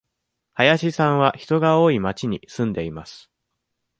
林さんは人が多い町に住んでいます。